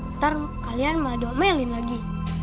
ntar kalian malah diomelin lagi